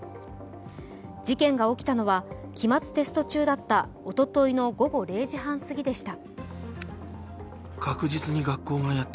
事件が起きたのは期末テスト中だったおとといの午後０時半すぎでした。